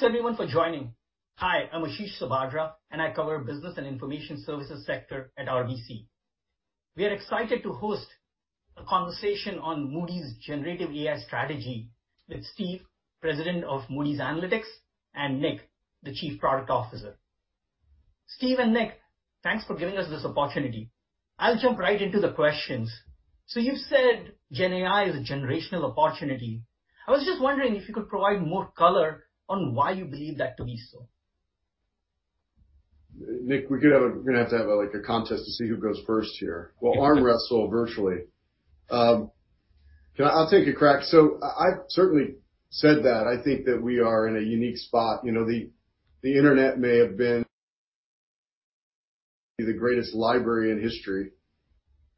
Thanks, everyone, for joining. Hi, I'm Ashish Sabadra, and I cover Business and Information Services sector at RBC. We are excited to host a conversation on Moody's generative AI strategy with Steve, President of Moody's Analytics, and Nick, the Chief Product Officer. Steve and Nick, thanks for giving us this opportunity. I'll jump right into the questions. You've said GenAI is a generational opportunity. I was just wondering if you could provide more color on why you believe that to be so. Nick, we could have a. We're gonna have to have, like, a contest to see who goes first here. We'll arm wrestle virtually. I'll take a crack. I, I certainly said that. I think that we are in a unique spot. You know, the, the Internet may have been the greatest library in history,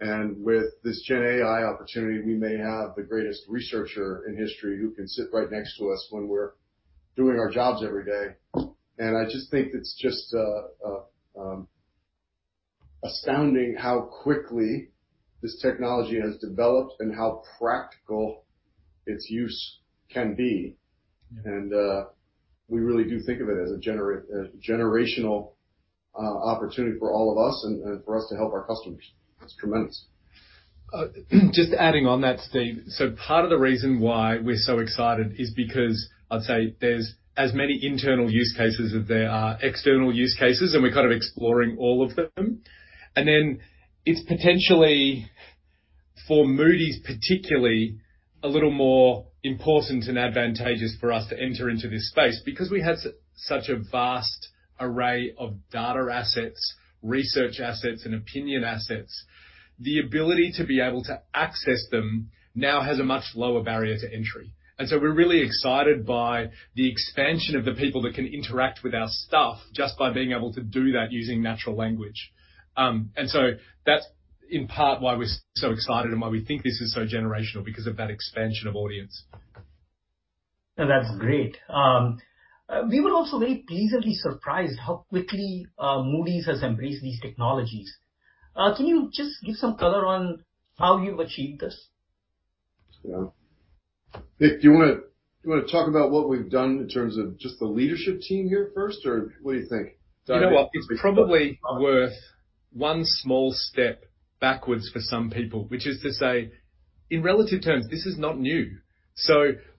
and with this GenAI opportunity, we may have the greatest researcher in history who can sit right next to us when we're doing our jobs every day. I just think it's just astounding how quickly this technology has developed and how practical its use can be. Yeah. We really do think of it as a generational opportunity for all of us and, and for us to help our customers. It's tremendous. Just adding on that, Steve. Part of the reason why we're so excited is because I'd say there's as many internal use cases as there are external use cases, and we're kind of exploring all of them. It's potentially, for Moody's particularly, a little more important and advantageous for us to enter into this space. Because we have such a vast array of data assets, research assets, and opinion assets, the ability to be able to access them now has a much lower barrier to entry. We're really excited by the expansion of the people that can interact with our stuff just by being able to do that using natural language. That's in part why we're so excited and why we think this is so generational, because of that expansion of audience. That's great. We were also very pleasantly surprised how quickly Moody's has embraced these technologies. Can you just give some color on how you've achieved this? Yeah. Nick, do you wanna, do you wanna talk about what we've done in terms of just the leadership team here first, or what do you think? You know what? It's probably worth one small step backwards for some people, which is to say, in relative terms, this is not new.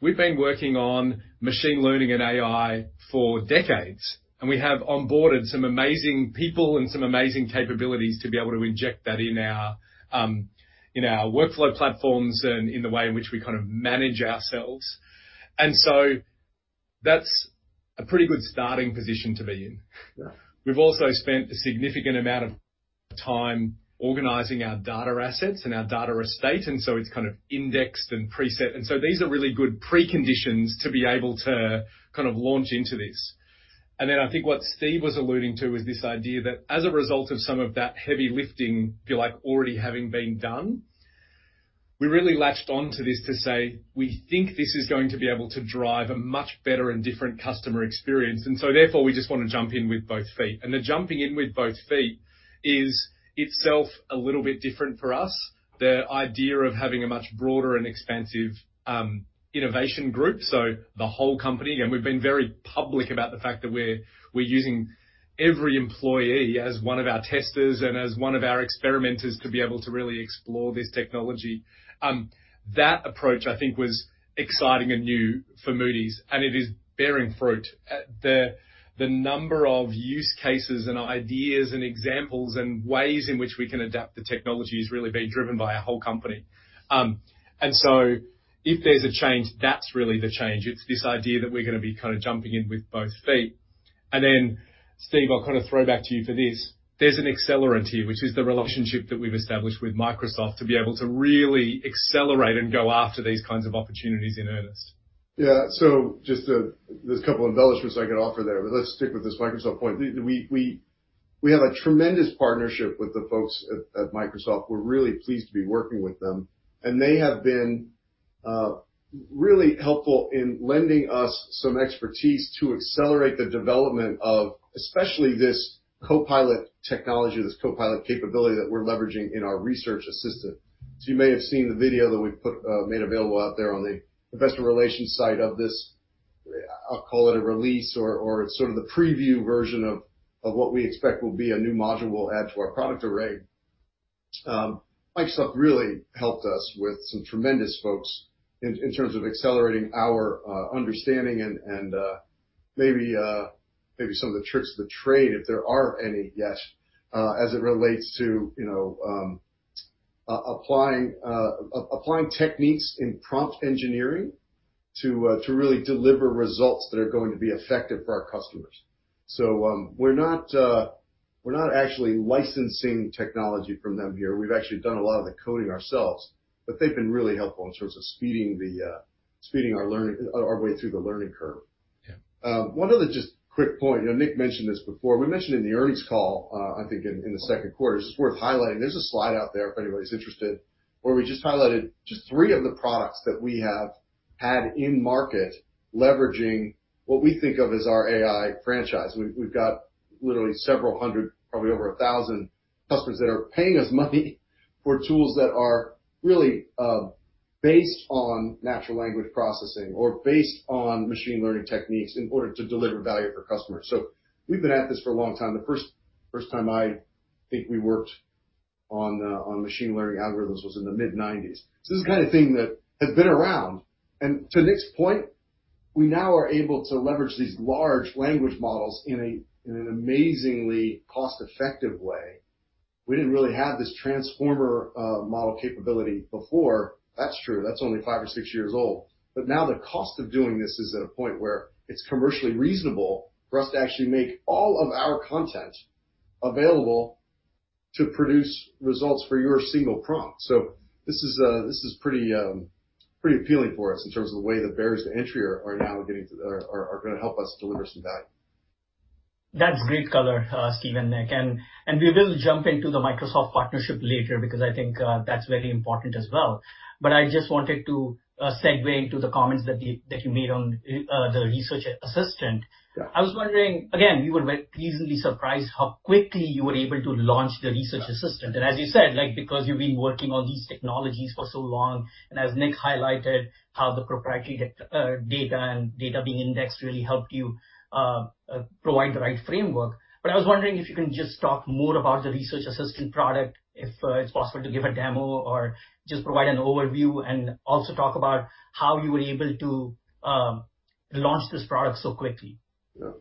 We've been working on machine learning and AI for decades, and we have onboarded some amazing people and some amazing capabilities to be able to inject that in our in our workflow platforms and in the way in which we kind of manage ourselves. That's a pretty good starting position to be in. Yeah. We've also spent a significant amount of time organizing our data assets and our data estate, and so it's kind of indexed and preset, and so these are really good preconditions to be able to kind of launch into this. Then I think what Steve was alluding to is this idea that as a result of some of that heavy lifting, feel like already having been done, we really latched on to this to say: We think this is going to be able to drive a much better and different customer experience, and so therefore, we just wanna jump in with both feet. The jumping in with both feet is itself a little bit different for us. The idea of having a much broader and expansive, innovation group, so the whole company, and we've been very public about the fact that we're, we're using every employee as one of our testers and as one of our experimenters to be able to really explore this technology. That approach, I think, was exciting and new for Moody's, and it is bearing fruit. The, the number of use cases and ideas and examples and ways in which we can adapt the technology is really being driven by our whole company. If there's a change, that's really the change. It's this idea that we're gonna be kind of jumping in with both feet. Steve, I'll kind of throw back to you for this. There's an accelerant here, which is the relationship that we've established with Microsoft, to be able to really accelerate and go after these kinds of opportunities in earnest. There's a couple embellishments I could offer there, but let's stick with this Microsoft point. We have a tremendous partnership with the folks at Microsoft. We're really pleased to be working with them, and they have been really helpful in lending us some expertise to accelerate the development of especially this Copilot technology, this Copilot capability that we're leveraging in our Research Assistant. You may have seen the video that we've put made available out there on the investor relations site of this, I'll call it a release or sort of the preview version of what we expect will be a new module we'll add to our product array. Microsoft really helped us with some tremendous folks in, in terms of accelerating our understanding and, and, maybe, maybe some of the tricks of the trade, if there are any yet, as it relates to, you know, applying, applying techniques in prompt engineering to, to really deliver results that are going to be effective for our customers. We're not actually licensing technology from them here. We've actually done a lot of the coding ourselves, but they've been really helpful in terms of speeding our learning-- our, our way through the learning curve. Yeah. One other just quick point, you know, Nick mentioned this before. We mentioned in the earnings call, I think in, in the second quarter, it's worth highlighting. There's a slide out there, if anybody's interested, where we just highlighted just three of the products that we have had in market, leveraging what we think of as our AI franchise. We've, we've got literally several hundred, probably over 1,000 customers that are paying us money for tools that are really based on natural language processing or based on machine learning techniques in order to deliver value for customers. We've been at this for a long time. The first, first time I think we worked on machine learning algorithms was in the mid-'90s. This is the kind of thing that has been around. To Nick's point, we now are able to leverage these large language models in a, in an amazingly cost-effective way. We didn't really have this transformer model capability before. That's true. That's only five or six years old. Now the cost of doing this is at a point where it's commercially reasonable for us to actually make all of our content available to produce results for your single prompt. This is pretty, pretty appealing for us in terms of the way the barriers to entry are, are now getting to the... Are, are gonna help us deliver some value. That's great color, Steve and Nick, and we will jump into the Microsoft partnership later because I think that's very important as well. I just wanted to segue into the comments that you, that you made on the Research Assistant. Yeah. I was wondering, again, we were very pleasantly surprised how quickly you were able to launch the Research Assistant. As you said, like, because you've been working on these technologies for so long, and as Nick highlighted, how the proprietary data, data and data being indexed really helped you provide the right framework. I was wondering if you can just talk more about the Research Assistant product, if it's possible to give a demo or just provide an overview, and also talk about how you were able to launch this product so quickly. Yeah.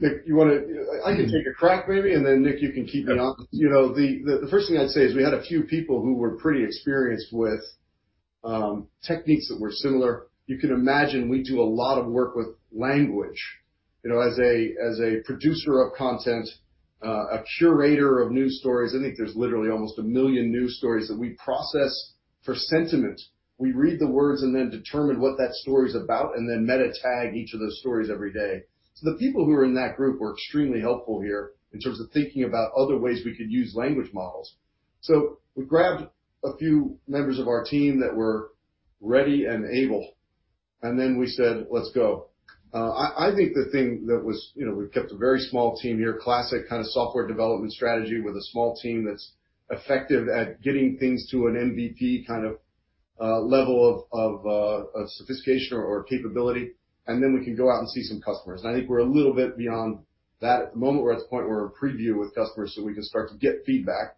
Nick, you wanna... I can take a crack, maybe, and then, Nick, you can keep me honest. You know, the first thing I'd say is we had a few people who were pretty experienced with techniques that were similar. You can imagine, we do a lot of work with language. You know, as a, as a producer of content, a curator of news stories, I think there's literally almost 1 million news stories that we process for sentiment. We read the words and then determine what that story's about, and then meta tag each of those stories every day. The people who are in that group were extremely helpful here in terms of thinking about other ways we could use language models. We grabbed a few members of our team that were ready and able, and then we said, "Let's go." I, I think the thing that was... You know, we've kept a very small team here, classic kind of software development strategy with a small team that's effective at getting things to an MVP kind of level of, of sophistication or, or capability, and then we can go out and see some customers. I think we're a little bit beyond that. At the moment, we're at the point where we're preview with customers, so we can start to get feedback.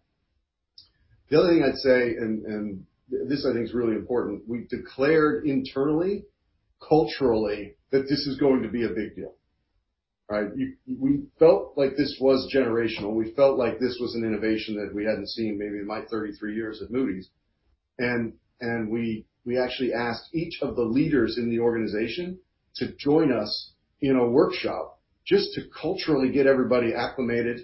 The other thing I'd say, and, and this I think is really important, we declared internally, culturally, that this is going to be a big deal. Right? We, we felt like this was generational. We felt like this was an innovation that we hadn't seen maybe in my 33 years at Moody's. We actually asked each of the leaders in the organization to join us in a workshop just to culturally get everybody acclimated.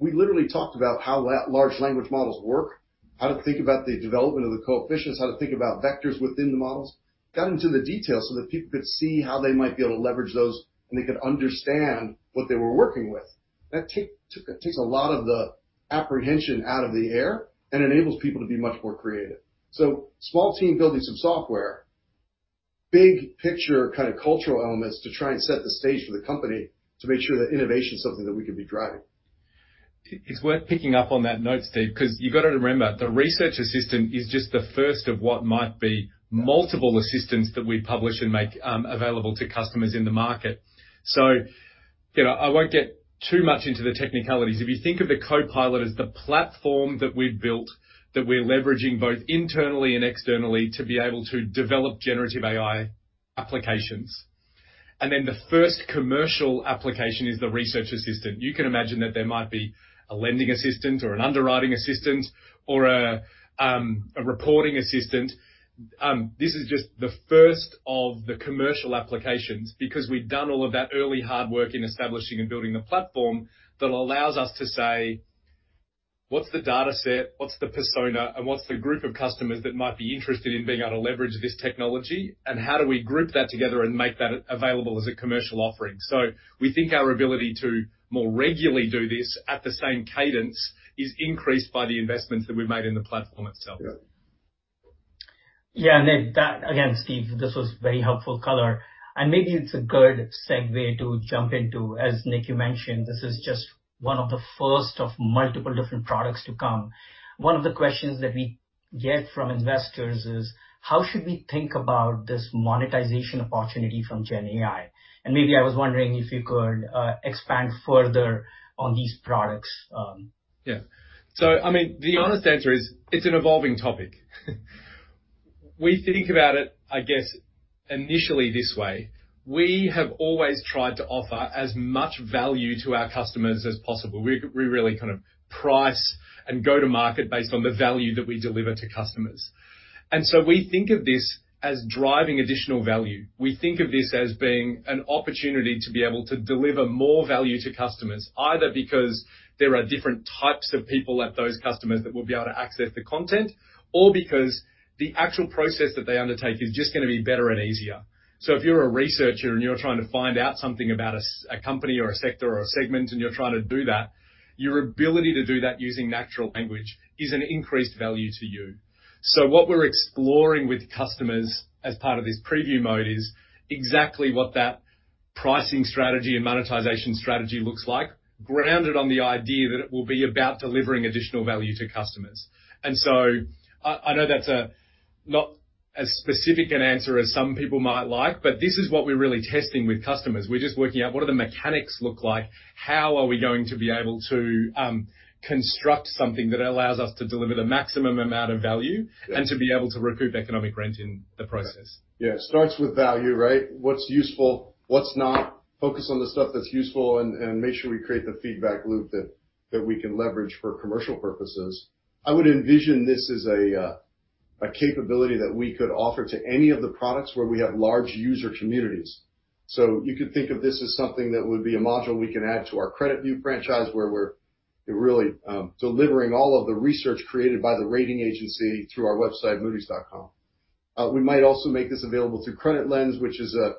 We literally talked about how large language models work, how to think about the development of the coefficients, how to think about vectors within the models. Got into the details so that people could see how they might be able to leverage those, and they could understand what they were working with. That takes a lot of the apprehension out of the air and enables people to be much more creative. Small team building some software, big picture, kind of cultural elements to try and set the stage for the company to make sure that innovation is something that we can be driving. It, it's worth picking up on that note, Steve, because you've got to remember, the Research Assistant is just the first of what might be multiple assistants that we publish and make available to customers in the market. You know, I won't get too much into the technicalities. If you think of the Copilot as the platform that we've built, that we're leveraging both internally and externally to be able to develop generative AI applications, and then the first commercial application is the Research Assistant. You can imagine that there might be a lending assistant, or an underwriting assistant, or a, a reporting assistant. This is just the first of the commercial applications, because we've done all of that early hard work in establishing and building the platform that allows us to say: What's the dataset, what's the persona, and what's the group of customers that might be interested in being able to leverage this technology? How do we group that together and make that available as a commercial offering? We think our ability to more regularly do this at the same cadence is increased by the investments that we've made in the platform itself. Yeah. Yeah, Nick, that... Again, Steve, this was very helpful color, and maybe it's a good segue to jump into, as Nick, you mentioned, this is just one of the first of multiple different products to come. One of the questions that we get from investors is: How should we think about this monetization opportunity from GenAI? And maybe I was wondering if you could expand further on these products. Yeah. I mean, the honest answer is, it's an evolving topic. We think about it, I guess, initially this way. We have always tried to offer as much value to our customers as possible. We really kind of price and go to market based on the value that we deliver to customers. We think of this as driving additional value. We think of this as being an opportunity to be able to deliver more value to customers, either because there are different types of people at those customers that will be able to access the content, or because the actual process that they undertake is just gonna be better and easier. If you're a researcher and you're trying to find out something about a company, or a sector, or a segment, and you're trying to do that, your ability to do that using natural language is an increased value to you. What we're exploring with customers as part of this preview mode is exactly what that pricing strategy and monetization strategy looks like, grounded on the idea that it will be about delivering additional value to customers. I, I know that's a not as specific an answer as some people might like, but this is what we're really testing with customers. We're just working out what do the mechanics look like? How are we going to be able to construct something that allows us to deliver the maximum amount of value- Yeah. To be able to recoup economic rent in the process? Yeah. It starts with value, right? What's useful, what's not. Focus on the stuff that's useful and, and make sure we create the feedback loop that, that we can leverage for commercial purposes. I would envision this as a, a capability that we could offer to any of the products where we have large user communities. You could think of this as something that would be a module we can add to our CreditView franchise, where we're really delivering all of the research created by the rating agency through our website, moodys.com. We might also make this available through CreditLens, which is a,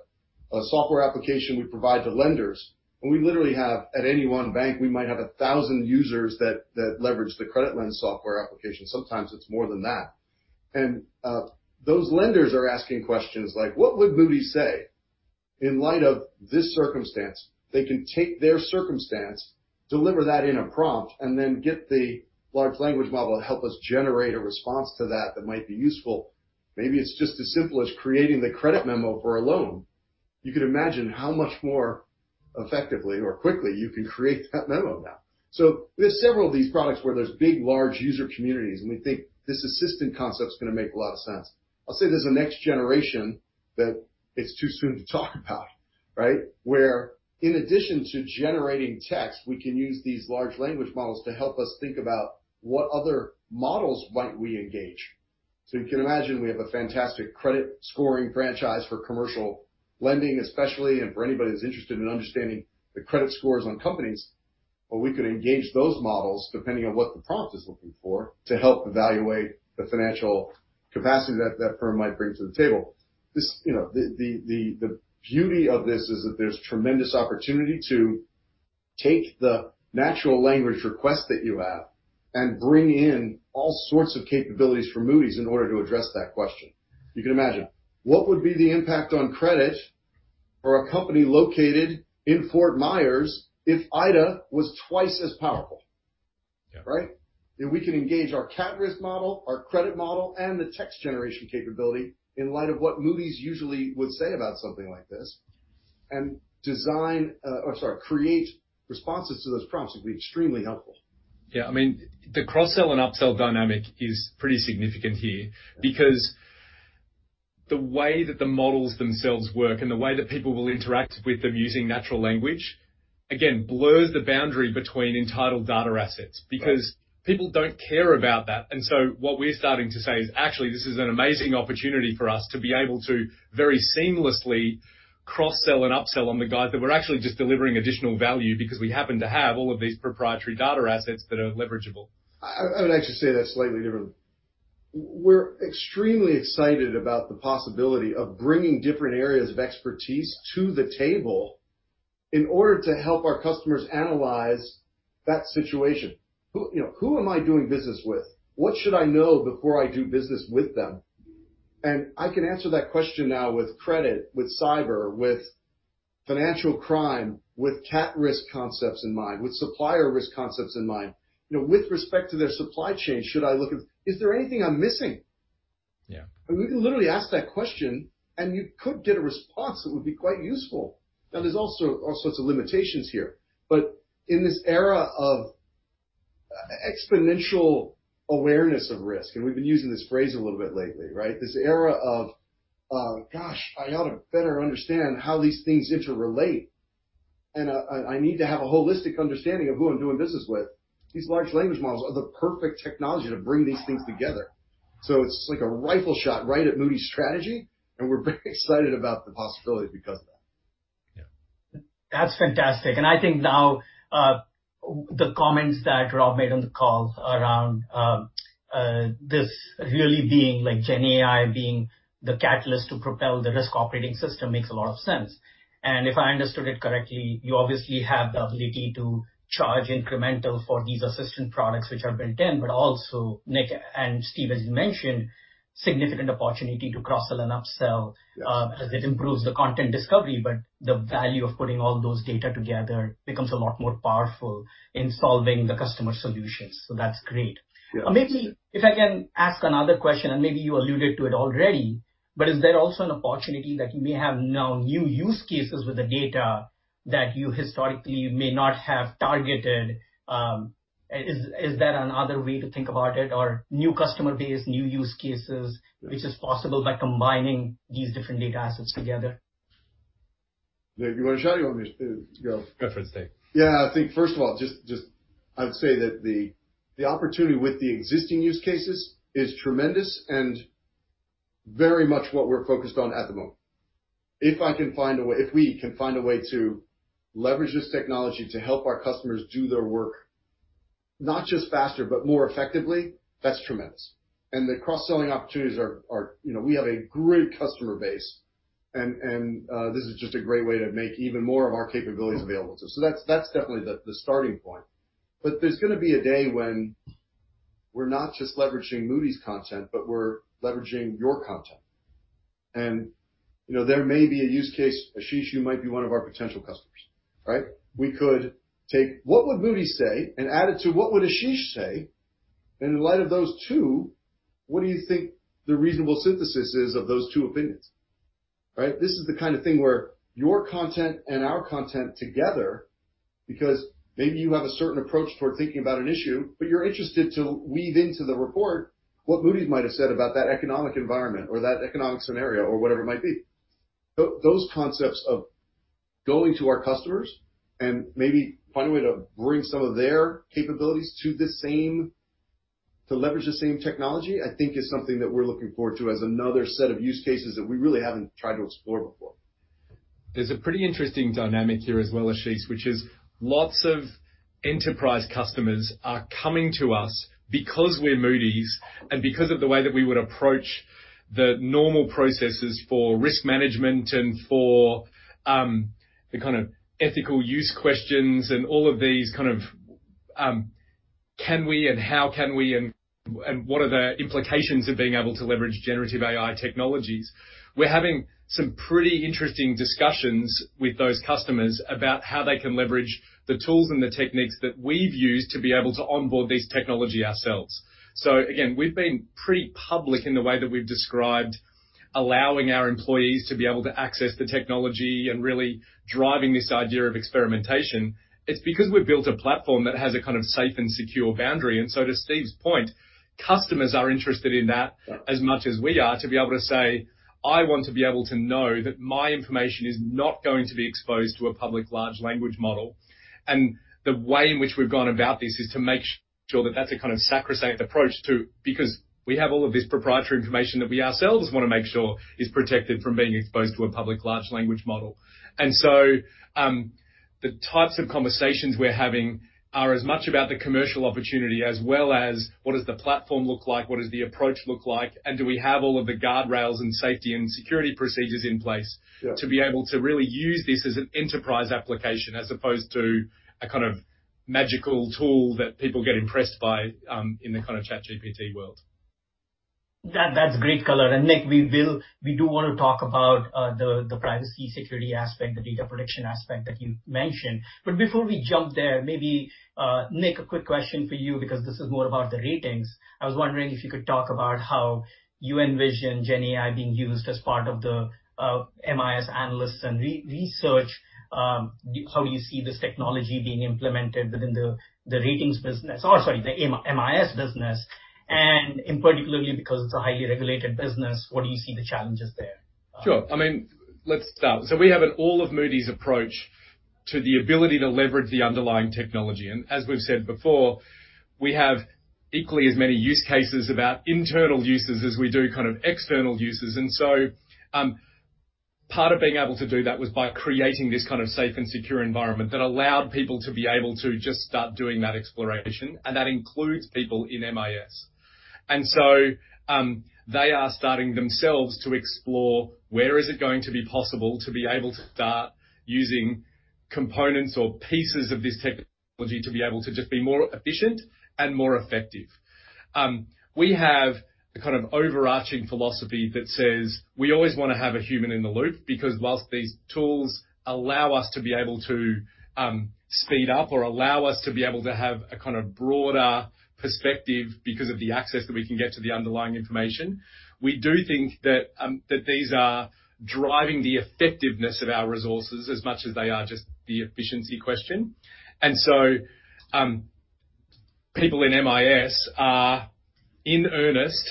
a software application we provide to lenders. We literally have... At any one bank, we might have 1,000 users that, that leverage the CreditLens software application. Sometimes it's more than that. Those lenders are asking questions like: What would Moody's say in light of this circumstance? They can take their circumstance, deliver that in a prompt, and then get the large language model to help us generate a response to that that might be useful. Maybe it's just as simple as creating the credit memo for a loan. You could imagine how much more effectively or quickly you can create that memo now. There's several of these products where there's big, large user communities, and we think this assistant concept is gonna make a lot of sense. I'll say there's a next generation that it's too soon to talk about, right? Where in addition to generating text, we can use these large language models to help us think about what other models might we engage. You can imagine we have a fantastic credit scoring franchise for commercial lending, especially, and for anybody who's interested in understanding the credit scores on companies, but we could engage those models, depending on what the prompt is looking for, to help evaluate the financial capacity that, that firm might bring to the table. This, you know, the, the, the beauty of this is that there's tremendous opportunity to take the natural language request that you have and bring in all sorts of capabilities from Moody's in order to address that question. You can imagine, what would be the impact on credit for a company located in Fort Myers if Ida was twice as powerful? Yeah. Right? If we can engage our catastrophe risk model, our credit model, and the text generation capability in light of what Moody's usually would say about something like this, and design, I'm sorry, create responses to those prompts, it'll be extremely helpful. Yeah. I mean, the cross-sell and upsell dynamic is pretty significant here because the way that the models themselves work and the way that people will interact with them using natural language, again, blurs the boundary between entitled data assets. Right. Because people don't care about that. What we're starting to say is, actually, this is an amazing opportunity for us to be able to very seamlessly cross-sell and upsell on the guide, that we're actually just delivering additional value because we happen to have all of these proprietary data assets that are leverageable. I, I, I would actually say that slightly differently. We're extremely excited about the possibility of bringing different areas of expertise to the table in order to help our customers analyze that situation. You know, who am I doing business with? What should I know before I do business with them? I can answer that question now with credit, with cyber, with financial crime, with catastrophe risk concepts in mind, with supplier risk concepts in mind. You know, with respect to their supply chain, is there anything I'm missing? Yeah. I mean, we can literally ask that question, and you could get a response that would be quite useful. There's also all sorts of limitations here, but in this era of e-exponential awareness of risk, and we've been using this phrase a little bit lately, right? This era of, gosh, I ought to better understand how these things interrelate, and, I, I need to have a holistic understanding of who I'm doing business with. These large language models are the perfect technology to bring these things together. It's like a rifle shot right at Moody's strategy, and we're very excited about the possibility because of that. Yeah. That's fantastic. I think now, the comments that Rob made on the call around, this really being, like, GenAI being the catalyst to propel the risk operating system makes a lot of sense. If I understood it correctly, you obviously have the ability to charge incremental for these assistant products which are built in, but also, Nick and Steve, as you mentioned, significant opportunity to cross-sell and upsell, as it improves the content discovery, but the value of putting all those data together becomes a lot more powerful in solving the customer solutions. That's great. Yes. Maybe if I can ask another question, and maybe you alluded to it already, but is there also an opportunity that you may have now new use cases with the data that you historically may not have targeted? Is there another way to think about it, or new customer base, new use cases, which is possible by combining these different data assets together? Nick, you want to shout, or you want me to go? Preference thing. Yeah. I think, first of all, just, just I'd say that the, the opportunity with the existing use cases is tremendous and very much what we're focused on at the moment. If we can find a way to leverage this technology to help our customers do their work, not just faster, but more effectively, that's tremendous. The cross-selling opportunities are, are... You know, we have a great customer base, and, and, this is just a great way to make even more of our capabilities available to them. That's, that's definitely the, the starting point. There's gonna be a day we're not just leveraging Moody's content, but we're leveraging your content. You know, there may be a use case, Ashish, you might be one of our potential customers, right? We could take what would Moody's say and add it to what would Ashish say, and in light of those two, what do you think the reasonable synthesis is of those two opinions, right? This is the kind of thing where your content and our content together, because maybe you have a certain approach toward thinking about an issue, but you're interested to weave into the report what Moody's might have said about that economic environment or that economic scenario or whatever it might be. Those concepts of going to our customers and maybe finding a way to bring some of their capabilities to leverage the same technology, I think is something that we're looking forward to as another set of use cases that we really haven't tried to explore before. There's a pretty interesting dynamic here as well, Ashish, which is lots of enterprise customers are coming to us because we're Moody's and because of the way that we would approach the normal processes for risk management and for the kind of ethical use questions and all of these kind of, can we and how can we and what are the implications of being able to leverage generative AI technologies? We're having some pretty interesting discussions with those customers about how they can leverage the tools and the techniques that we've used to be able to onboard this technology ourselves. Again, we've been pretty public in the way that we've described allowing our employees to be able to access the technology and really driving this idea of experimentation. It's because we've built a platform that has a kind of safe and secure boundary. So to Steve's point, customers are interested in that... Yeah. as much as we are to be able to say, "I want to be able to know that my information is not going to be exposed to a public large language model." The way in which we've gone about this is to make sure that that's a kind of sacrosanct approach, too, because we have all of this proprietary information that we ourselves want to make sure is protected from being exposed to a public large language model. The types of conversations we're having are as much about the commercial opportunity as well as what does the platform look like, what does the approach look like, and do we have all of the guardrails and safety and security procedures in place. Yeah... to be able to really use this as an enterprise application as opposed to a kind of magical tool that people get impressed by, in the kind of ChatGPT world. That, that's great color. Nick, we do want to talk about, the privacy security aspect, the data protection aspect that you mentioned. Before we jump there, maybe, Nick, a quick question for you, because this is more about the ratings. I was wondering if you could talk about how you envision GenAI being used as part of the MIS analysts and research, how you see this technology being implemented within the ratings business. Oh, sorry, the MIS business, and in particularly, because it's a highly regulated business, what do you see the challenges there? Sure. I mean, let's start. We have an all of Moody's approach to the ability to leverage the underlying technology. As we've said before, we have equally as many use cases about internal uses as we do kind of external uses. So, part of being able to do that was by creating this kind of safe and secure environment that allowed people to be able to just start doing that exploration, and that includes people in MIS. So, they are starting themselves to explore where is it going to be possible to be able to start using components or pieces of this technology to be able to just be more efficient and more effective. We have a kind of overarching philosophy that says we always want to have a human in the loop, because whilst these tools allow us to be able to speed up or allow us to be able to have a kind of broader perspective because of the access that we can get to the underlying information, we do think that these are driving the effectiveness of our resources as much as they are just the efficiency question. So, people in MIS are, in earnest,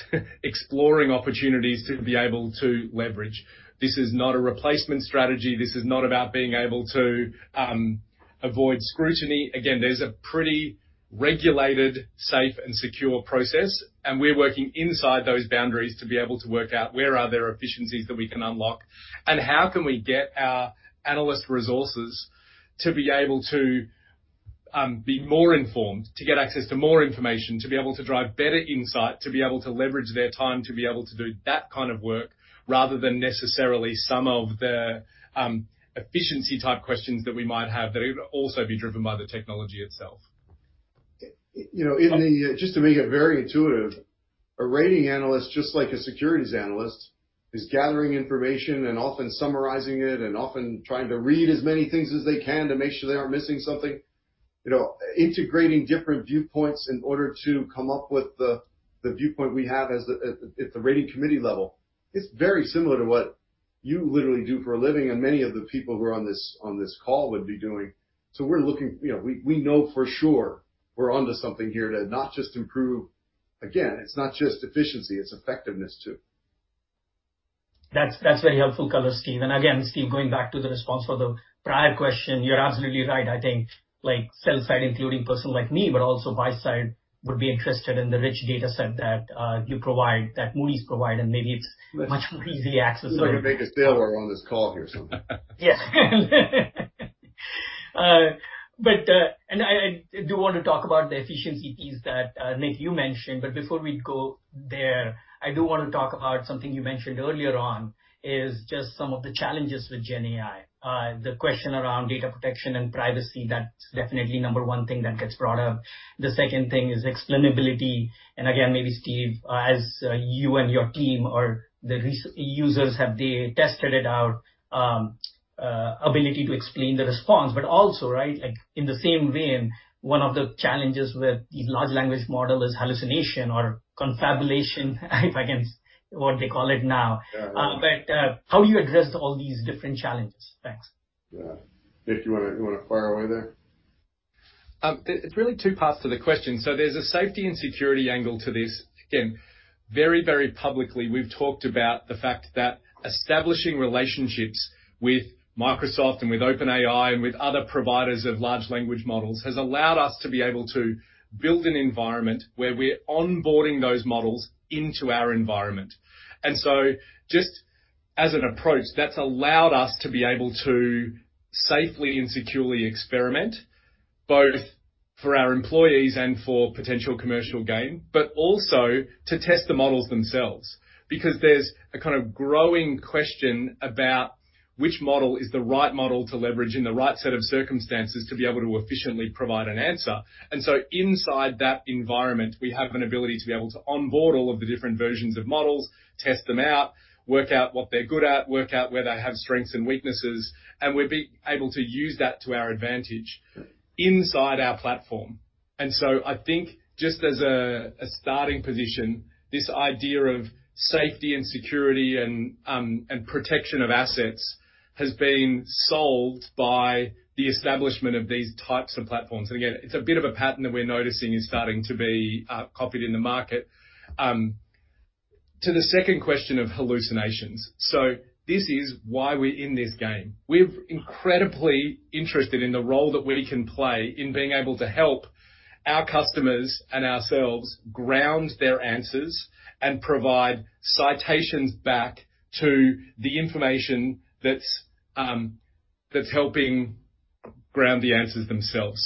exploring opportunities to be able to leverage. This is not a replacement strategy. This is not about being able to avoid scrutiny. There's a pretty regulated, safe, and secure process, and we're working inside those boundaries to be able to work out where are there efficiencies that we can unlock, and how can we get our analyst resources to be able to be more informed, to get access to more information, to be able to drive better insight, to be able to leverage their time, to be able to do that kind of work, rather than necessarily some of the efficiency-type questions that we might have that would also be driven by the technology itself. You know, in the... Just to make it very intuitive, a rating analyst, just like a securities analyst, is gathering information and often summarizing it and often trying to read as many things as they can to make sure they aren't missing something. You know, integrating different viewpoints in order to come up with the viewpoint we have at the rating committee level. It's very similar to what you literally do for a living and many of the people who are on this, on this call would be doing. We're looking. You know, we, we know for sure we're onto something here to not just improve. Again, it's not just efficiency, it's effectiveness, too. That's, that's very helpful color, Steve. Again, Steve, going back to the response for the prior question, you're absolutely right. I think like sell side, including person like me, but also buy side, would be interested in the rich data set that you provide, that Moody's provide. Maybe it's much more easy access. Looks like I make a sale while we're on this call here, so. Yes. I, I do want to talk about the efficiency piece that Nick, you mentioned, but before we go there, I do want to talk about something you mentioned earlier on, is just some of the challenges with GenAI. The question around data protection and privacy, that's definitely number one thing that gets brought up. The second thing is explainability, and again, maybe Steve, as you and your team or the users, have they tested it out, ability to explain the response, but also, right, like, in the same vein, one of the challenges with the large language model is hallucination or confabulation, if I can, what they call it now. Yeah. How do you address all these different challenges? Thanks. Yeah. Nick, you wanna, you wanna fire away there? There, there's really two parts to the question. There's a safety and security angle to this. Again, very, very publicly, we've talked about the fact that establishing relationships with Microsoft and with OpenAI and with other providers of large language models has allowed us to be able to build an environment where we're onboarding those models into our environment. Just as an approach, that's allowed us to be able to safely and securely experiment, both for our employees and for potential commercial gain, but also to test the models themselves. There's a kind of growing question about which model is the right model to leverage in the right set of circumstances to be able to efficiently provide an answer. Inside that environment, we have an ability to be able to onboard all of the different versions of models, test them out, work out what they're good at, work out where they have strengths and weaknesses, and we're able to use that to our advantage inside our platform. I think just as a, a starting position, this idea of safety and security and protection of assets has been solved by the establishment of these types of platforms. Again, it's a bit of a pattern that we're noticing is starting to be copied in the market. To the second question of hallucinations. This is why we're in this game. We're incredibly interested in the role that we can play in being able to help our customers and ourselves ground their answers and provide citations back to the information that's, that's helping ground the answers themselves.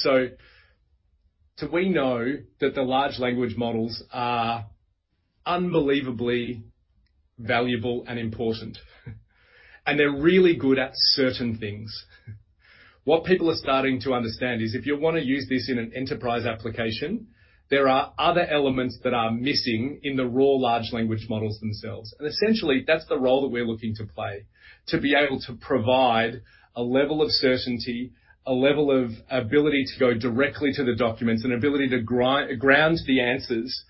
We know that the large language models are unbelievably valuable and important, and they're really good at certain things. What people are starting to understand is if you want to use this in an enterprise application, there are other elements that are missing in the raw, large language models themselves. Essentially, that's the role that we're looking to play, to be able to provide a level of certainty, a level of ability to go directly to the documents, an ability to ground the answers,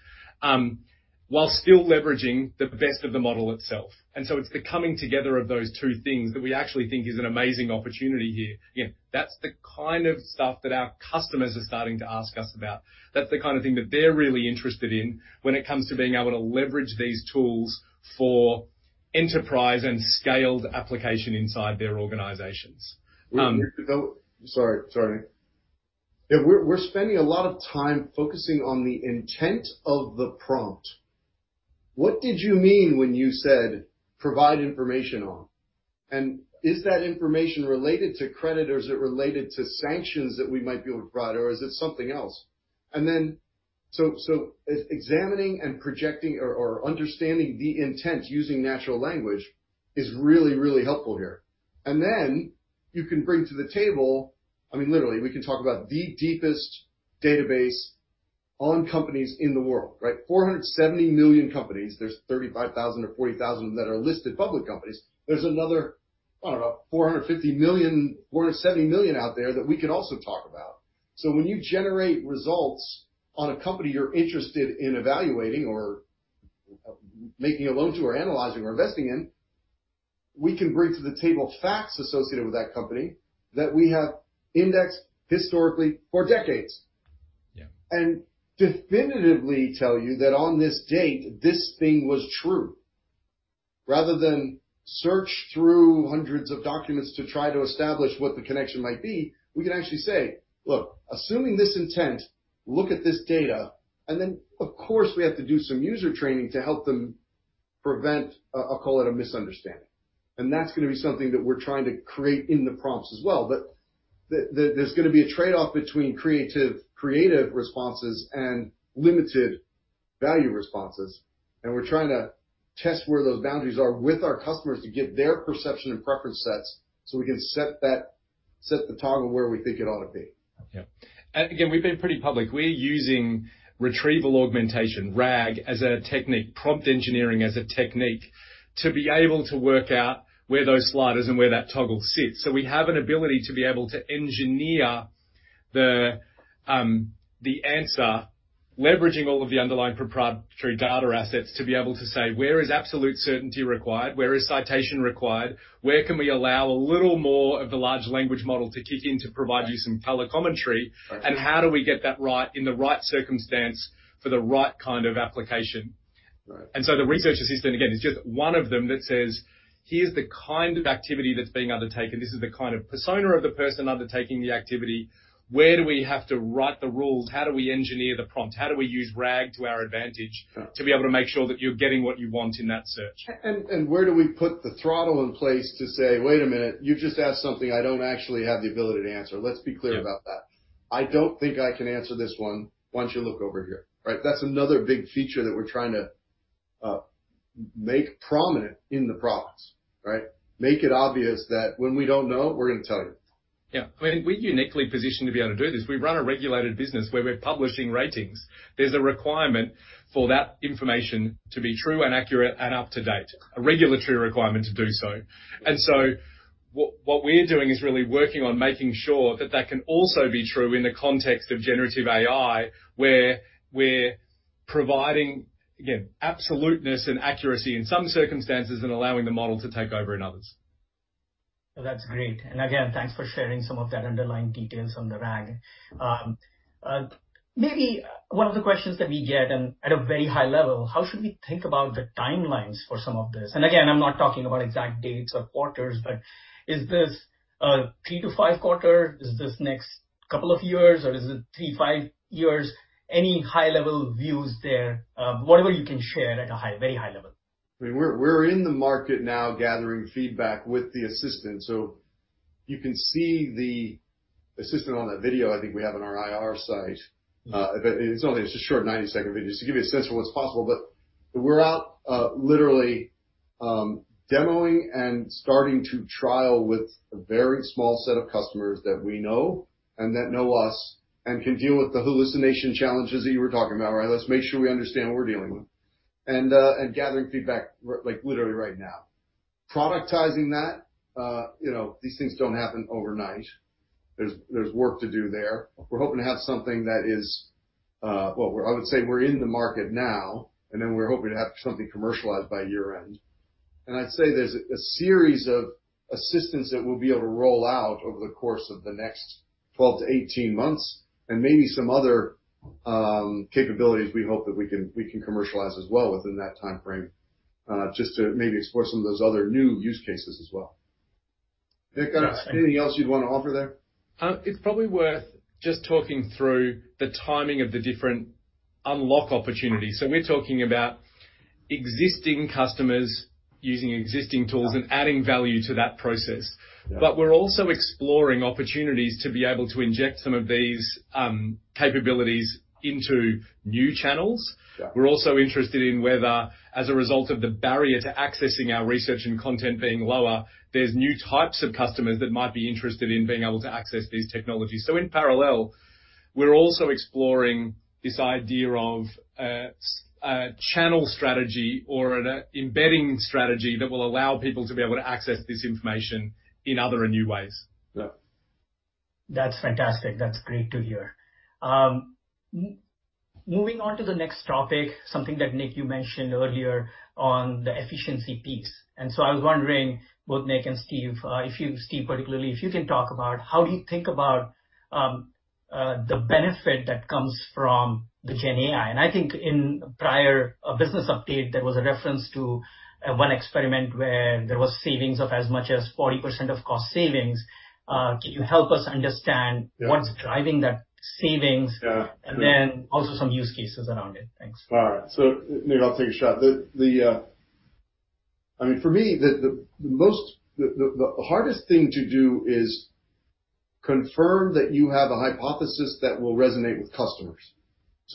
while still leveraging the best of the model itself. It's the coming together of those two things that we actually think is an amazing opportunity here. Again, that's the kind of stuff that our customers are starting to ask us about. That's the kind of thing that they're really interested in when it comes to being able to leverage these tools for enterprise and scaled application inside their organizations. Sorry. Sorry. Yeah, we're, we're spending a lot of time focusing on the intent of the prompt. What did you mean when you said, "Provide information on?" Is that information related to credit, or is it related to sanctions that we might be able to provide, or is it something else? Then, examining and projecting or understanding the intent using natural language is really, really helpful here. Then you can bring to the table... I mean, literally, we can talk about the deepest database on companies in the world, right? 470 million companies. There's 35,000 or 40,000 that are listed public companies. There's another, I don't know, 450 million, 470 million out there that we can also talk about. When you generate results on a company you're interested in evaluating or making a loan to, or analyzing, or investing in, we can bring to the table facts associated with that company that we have indexed historically for decades. Yeah. Definitively tell you that on this date, this thing was true. Rather than search through hundreds of documents to try to establish what the connection might be, we can actually say, "Look, assuming this intent, look at this data," and then, of course, we have to do some user training to help them prevent, I'll call it a misunderstanding. That's gonna be something that we're trying to create in the prompts as well. The, the, there's gonna be a trade-off between creative, creative responses and limited value responses, and we're trying to test where those boundaries are with our customers to get their perception and preference sets, so we can set that, set the toggle where we think it ought to be. Yeah. Again, we've been pretty public. We're using Retrieval-Augmented Generation, RAG, as a technique, prompt engineering as a technique, to be able to work out where those sliders and where that toggle sits. We have an ability to be able to engineer the, the answer, leveraging all of the underlying proprietary data assets, to be able to say: Where is absolute certainty required? Where is citation required? Where can we allow a little more of the large language model to kick in to provide- Right. you some color commentary? Right. How do we get that right in the right circumstance for the right kind of application? Right. The Research Assistant, again, is just one of them that says, "Here's the kind of activity that's being undertaken. This is the kind of persona of the person undertaking the activity. Where do we have to write the rules? How do we engineer the prompt? How do we use RAG to our advantage. Right. to be able to make sure that you're getting what you want in that search? Where do we put the throttle in place to say, "Wait a minute, you've just asked something I don't actually have the ability to answer." Let's be clear about that. I don't think I can answer this one. Why don't you look over here, right? That's another big feature that we're trying to make prominent in the products, right? Make it obvious that when we don't know, we're gonna tell you. Yeah. I mean, we're uniquely positioned to be able to do this. We run a regulated business where we're publishing ratings. There's a requirement for that information to be true and accurate and up to date, a regulatory requirement to do so. What we're doing is really working on making sure that that can also be true in the context of generative AI, where we're providing, again, absoluteness and accuracy in some circumstances and allowing the model to take over in others. Well, that's great. Again, thanks for sharing some of that underlying details on the RAG. Maybe one of the questions that we get, and at a very high level, how should we think about the timelines for some of this? Again, I'm not talking about exact dates or quarters, but is this, 3-5 quarters? Is this next couple of years, or is it 3, 5 years? Any high-level views there, whatever you can share at a very high level. We're, we're in the market now gathering feedback with the assistant. You can see the assistant on that video, I think we have on our IR site. It's only... It's a short 90-second video, just to give you a sense of what's possible. We're out, literally, demoing and starting to trial with a very small set of customers that we know and that know us and can deal with the hallucination challenges that you were talking about, right? Let's make sure we understand what we're dealing with. Gathering feedback, like, literally right now. Productizing that, you know, these things don't happen overnight. There's, there's work to do there. We're hoping to have something that is... Well, I would say we're in the market now, and then we're hoping to have something commercialized by year-end. I'd say there's a series of assistants that we'll be able to roll out over the course of the next 12 to 18 months, and maybe some other capabilities we hope that we can, we can commercialize as well within that timeframe, just to maybe explore some of those other new use cases as well. Nick, anything else you'd want to offer there? It's probably worth just talking through the timing of the different unlock opportunities. We're talking about existing customers using existing tools and adding value to that process. Yeah. we're also exploring opportunities to be able to inject some of these capabilities into new channels. Yeah. We're also interested in whether, as a result of the barrier to accessing our research and content being lower, there's new types of customers that might be interested in being able to access these technologies. In parallel, we're also exploring this idea of a channel strategy or an embedding strategy that will allow people to be able to access this information in other and new ways. Yeah. That's fantastic. That's great to hear. moving on to the next topic, something that, Nick, you mentioned earlier on the efficiency piece. I was wondering, both Nick and Steve, if you, Steve, particularly, if you can talk about how do you think about the benefit that comes from the GenAI? I think in prior business update, there was a reference to one experiment where there was savings of as much as 40% of cost savings. Can you help us understand- Yeah. What's driving that savings? Yeah. Then also some use cases around it. Thanks. All right. Maybe I'll take a shot. I mean, for me, the hardest thing to do is confirm that you have a hypothesis that will resonate with customers.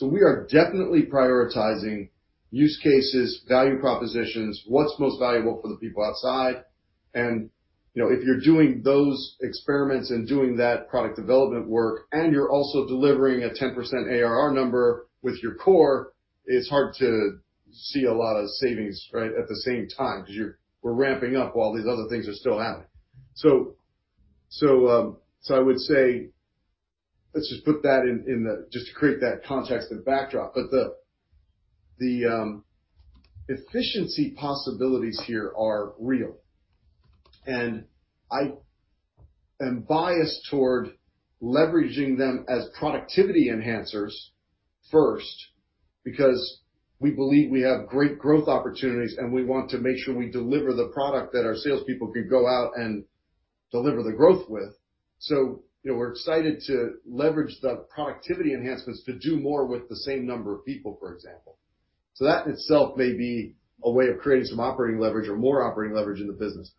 We are definitely prioritizing use cases, value propositions, what's most valuable for the people outside. You know, if you're doing those experiments and doing that product development work, and you're also delivering a 10% ARR number with your core, it's hard to see a lot of savings, right, at the same time, 'cause we're ramping up while these other things are still happening. I would say, let's just put that in, in the... just to create that context and backdrop, but efficiency possibilities here are real. I am biased toward leveraging them as productivity enhancers first, because we believe we have great growth opportunities, and we want to make sure we deliver the product that our salespeople can go out and deliver the growth with. You know, we're excited to leverage the productivity enhancements to do more with the same number of people, for example. That itself may be a way of creating some operating leverage or more operating leverage in the business.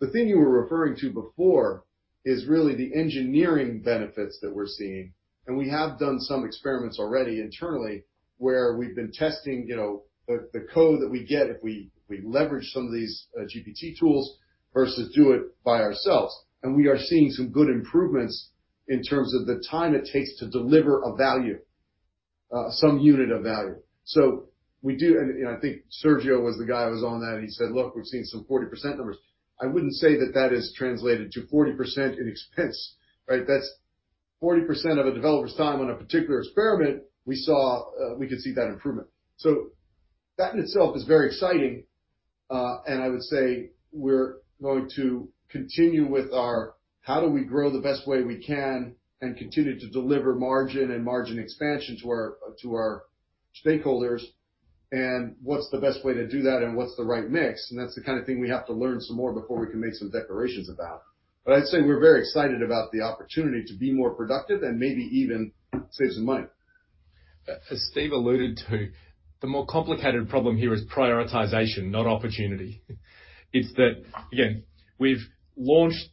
The thing you were referring to before is really the engineering benefits that we're seeing, and we have done some experiments already internally, where we've been testing, you know, the code that we get if we leverage some of these GPT tools versus do it by ourselves. We are seeing some good improvements in terms of the time it takes to deliver a value, some unit of value. We do... I think Sergio was the guy who was on that, and he said: "Look, we've seen some 40% numbers." I wouldn't say that that is translated to 40% in expense, right? That's 40% of a developer's time on a particular experiment, we saw, we could see that improvement. That in itself is very exciting, and I would say we're going to continue with our, "How do we grow the best way we can and continue to deliver margin and margin expansion to our, to our stakeholders, and what's the best way to do that, and what's the right mix?" That's the kind of thing we have to learn some more before we can make some declarations about. I'd say we're very excited about the opportunity to be more productive and maybe even save some money. As Steve alluded to, the more complicated problem here is prioritization, not opportunity. It's that, again, we've launched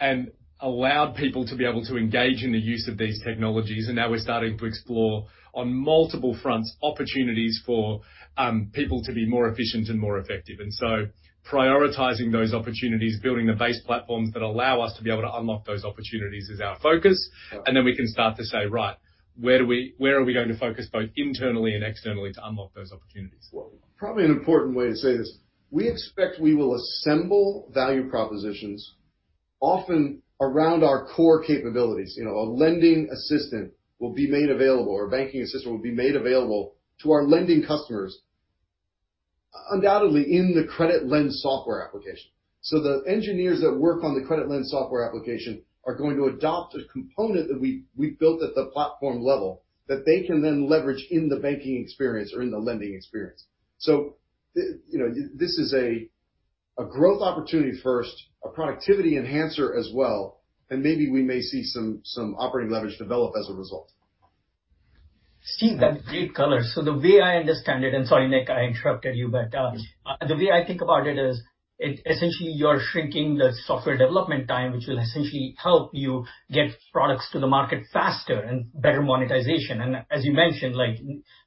and allowed people to be able to engage in the use of these technologies, and now we're starting to explore on multiple fronts, opportunities for people to be more efficient and more effective. Prioritizing those opportunities, building the base platforms that allow us to be able to unlock those opportunities is our focus. Yeah. Then we can start to say, right, where are we going to focus both internally and externally to unlock those opportunities? Well, probably an important way to say this, we expect we will assemble value propositions often around our core capabilities. You know, a lending assistant will be made available, or a banking assistant will be made available to our lending customers, undoubtedly in the CreditLens software application. The engineers that work on the CreditLens software application are going to adopt a component that we, we've built at the platform level that they can then leverage in the banking experience or in the lending experience. You know, this is a, a growth opportunity first, a productivity enhancer as well, and maybe we may see some, some operating leverage develop as a result. Steve, that's great color. The way I understand it, and sorry, Nick, I interrupted you, but. Yeah. The way I think about it is, it essentially you're shrinking the software development time, which will essentially help you get products to the market faster and better monetization. As you mentioned, like,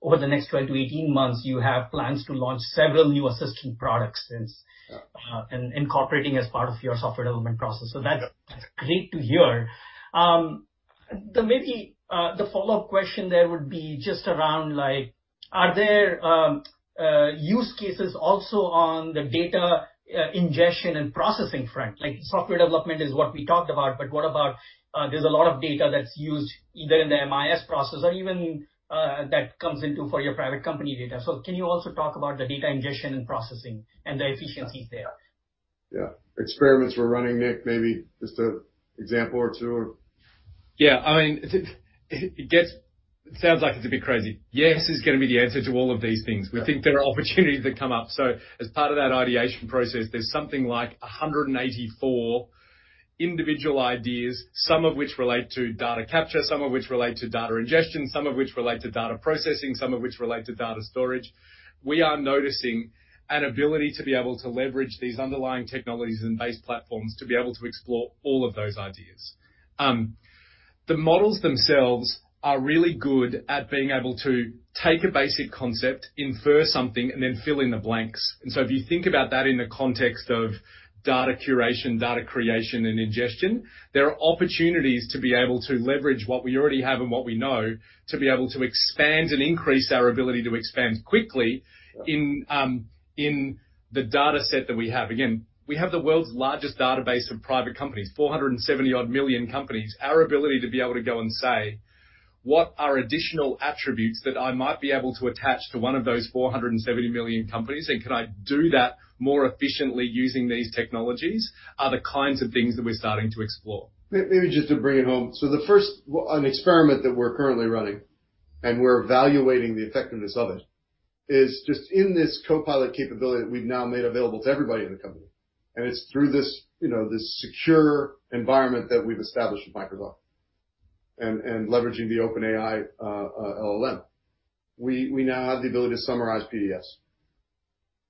over the next 12-18 months, you have plans to launch several new assistant products. Yeah. Incorporating as part of your software development process. Yeah. That's great to hear. The maybe, the follow-up question there would be just around, are there use cases also on the data ingestion and processing front? Like, software development is what we talked about, but what about... There's a lot of data that's used either in the MIS process or even that comes into for your private company data. Can you also talk about the data ingestion and processing and the efficiencies there? Yeah. Experiments we're running, Nick, maybe just a example or two or? Yeah, I mean, it sounds like it's a bit crazy. Yes, is going to be the answer to all of these things. Yeah. We think there are opportunities that come up. As part of that ideation process, there's something like 184 individual ideas, some of which relate to data capture, some of which relate to data ingestion, some of which relate to data processing, some of which relate to data storage. We are noticing an ability to be able to leverage these underlying technologies and base platforms to be able to explore all of those ideas. The models themselves are really good at being able to take a basic concept, infer something, and then fill in the blanks. If you think about that in the context of data curation, data creation, and ingestion, there are opportunities to be able to leverage what we already have and what we know to be able to expand and increase our ability to expand quickly... Yeah in, in the data set that we have. Again, we have the world's largest database of private companies, 470 odd million companies. Our ability to be able to go and say, what are additional attributes that I might be able to attach to one of those 470 million companies, and can I do that more efficiently using these technologies? Are the kinds of things that we're starting to explore. Maybe just to bring it home. The first an experiment that we're currently running, and we're evaluating the effectiveness of it, is just in this Copilot capability that we've now made available to everybody in the company, and it's through this, you know, this secure environment that we've established at Microsoft and leveraging the OpenAI LLM. We now have the ability to summarize PDFs,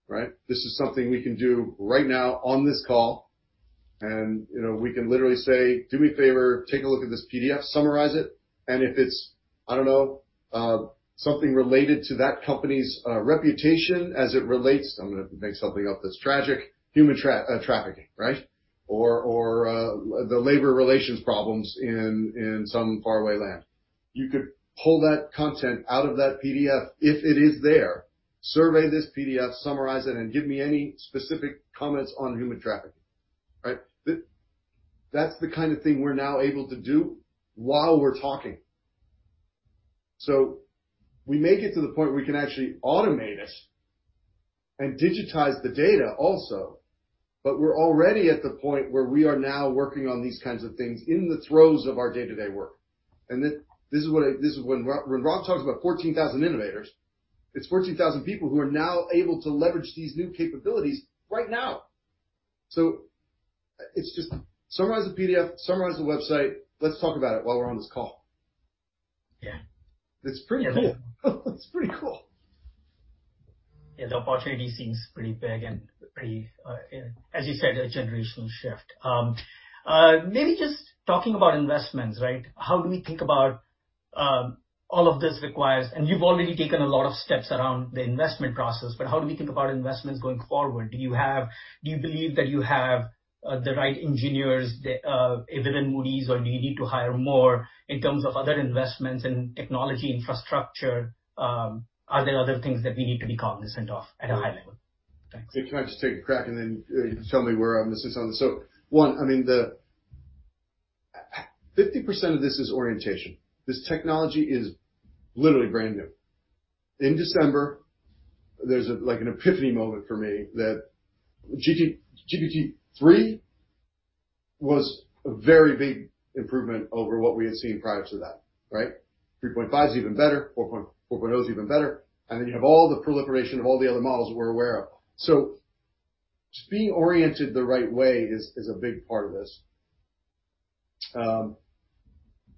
right. This is something we can do right now on this call, and, you know, we can literally say: Do me a favor, take a look at this PDF, summarize it, and if it's, I don't know, something related to that company's reputation as it relates, I'm gonna make something up that's tragic, human trafficking, right. Or the labor relations problems in, in some faraway land. You could pull that content out of that PDF if it is there, survey this PDF, summarize it, and give me any specific comments on human trafficking, right? That's the kind of thing we're now able to do while we're talking. We may get to the point where we can actually automate it and digitize the data also, but we're already at the point where we are now working on these kinds of things in the throes of our day-to-day work. This is what I... This is when Rob talks about 14,000 innovators, it's 14,000 people who are now able to leverage these new capabilities right now. It's just summarize a PDF, summarize a website. Let's talk about it while we're on this call. Yeah. It's pretty cool. It's pretty cool. Yeah, the opportunity seems pretty big and pretty, as you said, a generational shift. Maybe just talking about investments, right? How do we think about, all of this requires, and you've already taken a lot of steps around the investment process, but how do we think about investments going forward? Do you believe that you have the right engineers, the, even in Moody's, or do you need to hire more in terms of other investments in technology, infrastructure? Are there other things that we need to be cognizant of at a high level? Thanks. Can I just take a crack, and then you can tell me where I'm missing on this? One, I mean, the... 50% of this is orientation. This technology is literally brand new. In December, there's a, like, an epiphany moment for me that GPT-3 was a very big improvement over what we had seen prior to that, right? GPT-3.5 is even better, GPT-4 is even better, and then you have all the proliferation of all the other models we're aware of. Just being oriented the right way is, is a big part of this.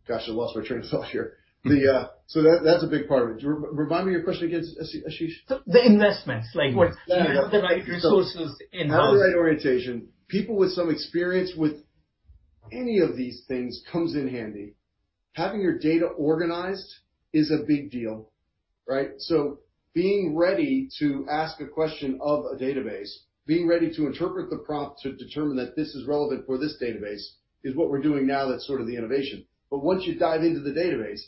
Gosh, I lost my train of thought here. The, that, that's a big part of it. Remind me your question again, Ashish? The investments, like- Yeah. Do you have the right resources in-house? Have the right orientation. People with some experience with any of these things comes in handy. Having your data organized is a big deal, right? Being ready to ask a question of a database, being ready to interpret the prompt to determine that this is relevant for this database, is what we're doing now, that's sort of the innovation. Once you dive into the database,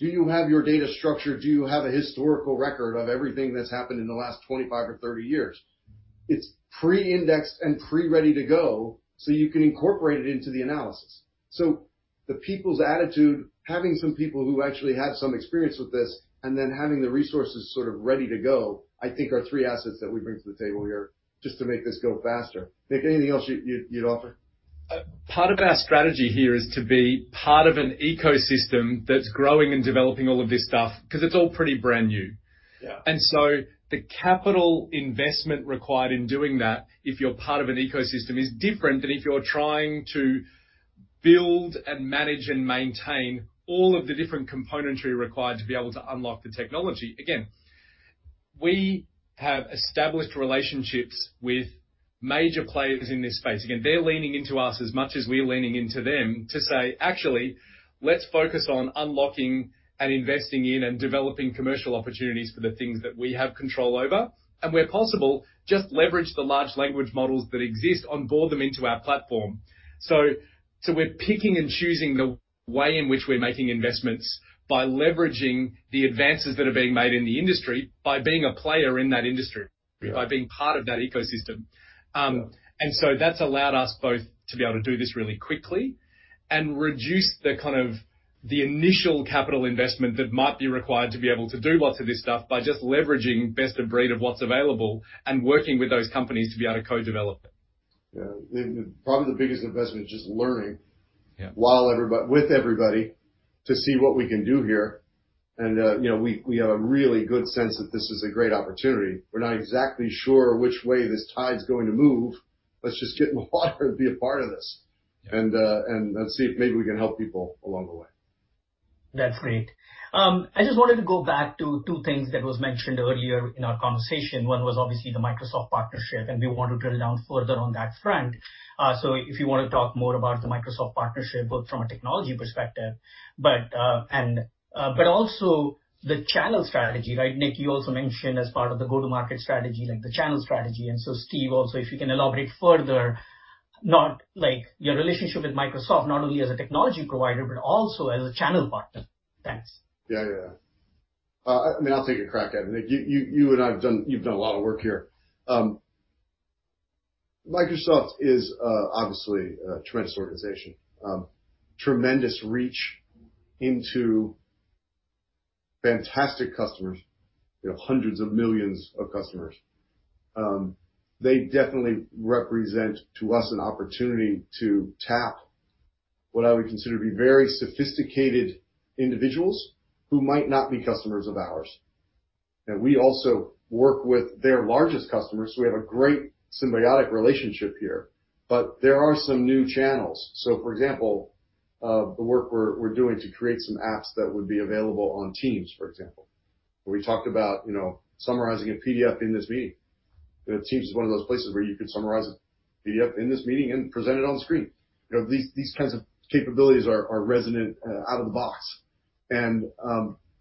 do you have your data structured? Do you have a historical record of everything that's happened in the last 25 or 30 years? It's pre-indexed and pre-ready to go, so you can incorporate it into the analysis. The people's attitude, having some people who actually have some experience with this, and then having the resources sort of ready to go, I think are three assets that we bring to the table here just to make this go faster. Nick, anything else you'd, you'd, you'd offer? Part of our strategy here is to be part of an ecosystem that's growing and developing all of this stuff because it's all pretty brand new. Yeah. The capital investment required in doing that, if you're part of an ecosystem, is different than if you're trying to build and manage and maintain all of the different componentry required to be able to unlock the technology. Again, we have established relationships with major players in this space. Again, they're leaning into us as much as we're leaning into them to say, "Actually, let's focus on unlocking and investing in and developing commercial opportunities for the things that we have control over, and where possible, just leverage the large language models that exist, onboard them into our platform." So we're picking and choosing the way in which we're making investments by leveraging the advances that are being made in the industry by being a player in that industry. Yeah by being part of that ecosystem. That's allowed us both to be able to do this really quickly and reduce the kind of the initial capital investment that might be required to be able to do lots of this stuff by just leveraging best of breed of what's available and working with those companies to be able to co-develop it. Yeah. The, the probably the biggest investment is just learning- Yeah... while with everybody to see what we can do here. You know, we, we have a really good sense that this is a great opportunity. We're not exactly sure which way this tide's going to move. Let's just get in the water and be a part of this. Yeah. Let's see if maybe we can help people along the way. That's great. I just wanted to go back to two things that was mentioned earlier in our conversation. One was obviously the Microsoft partnership, and we want to drill down further on that front. If you want to talk more about the Microsoft partnership, both from a technology perspective, but, and, but also the channel strategy, right? Nick, you also mentioned as part of the go-to-market strategy, like the channel strategy. Steve, also, if you can elaborate further, not like your relationship with Microsoft, not only as a technology provider, but also as a channel partner. Thanks. Yeah, yeah, yeah. I mean, I'll take a crack at it. Nick, you and I have done, you've done a lot of work here. Microsoft is, obviously a tremendous organization, tremendous reach into fantastic customers, you know, hundreds of millions of customers. They definitely represent to us an opportunity to tap what I would consider to be very sophisticated individuals who might not be customers of ours. We also work with their largest customers, so we have a great symbiotic relationship here. There are some new channels. For example, the work we're doing to create some apps that would be available on Teams, for example, where we talked about, you know, summarizing a PDF in this meeting. You know, Teams is one of those places where you can summarize a PDF in this meeting and present it on the screen. You know, these, these kinds of capabilities are, are resonant out of the box, and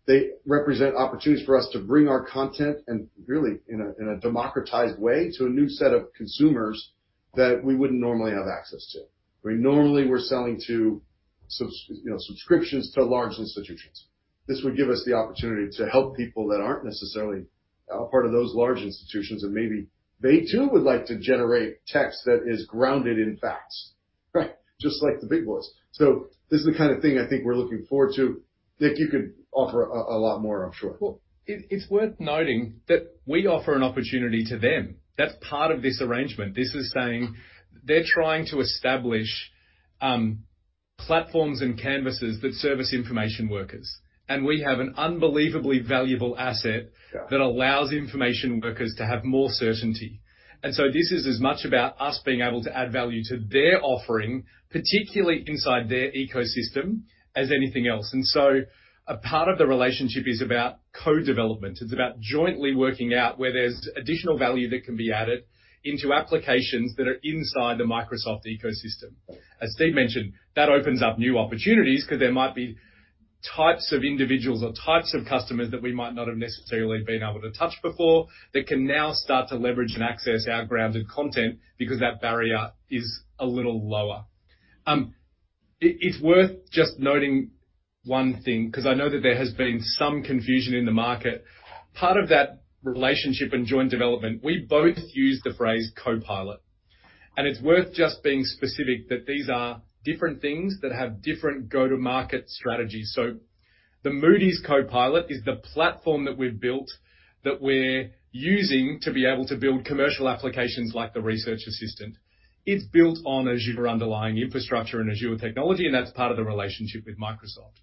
they represent opportunities for us to bring our content, and really, in a, in a democratized way, to a new set of consumers that we wouldn't normally have access to. Where normally we're selling to subs, you know, subscriptions to large institutions. This would give us the opportunity to help people that aren't necessarily a part of those large institutions, and maybe they, too, would like to generate text that is grounded in facts, right? Just like the big boys. This is the kind of thing I think we're looking forward to. Nick, you could offer a, a lot more, I'm sure. Well, it's worth noting that we offer an opportunity to them. That's part of this arrangement. This is saying they're trying to establish platforms and canvases that service information workers, we have an unbelievably valuable asset- Yeah that allows information workers to have more certainty. This is as much about us being able to add value to their offering, particularly inside their Microsoft ecosystem, as anything else. A part of the relationship is about co-development. It's about jointly working out where there's additional value that can be added into applications that are inside the Microsoft ecosystem. As Steve mentioned, that opens up new opportunities because there might be types of individuals or types of customers that we might not have necessarily been able to touch before that can now start to leverage and access our grounded content because that barrier is a little lower. It, it's worth just noting one thing, because I know that there has been some confusion in the market. Part of that relationship and joint development, we both use the phrase Copilot. It's worth just being specific that these are different things that have different go-to-market strategies. The Moody's CoPilot is the platform that we've built, that we're using to be able to build commercial applications like the Research Assistant. It's built on Azure underlying infrastructure and Azure technology. That's part of the relationship with Microsoft.